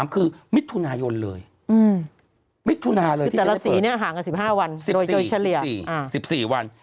คือมิตรทุนายนเลยมิตรทุนาเลยแต่ละสีห่างกัน๑๕วันโดยเฉลี่ย๑๔วัน